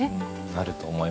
なると思います。